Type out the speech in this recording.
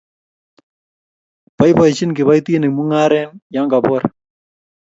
Boibochini kibaitinik mung'areg ye kabor